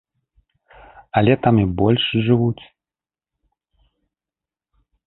Але там і больш жывуць.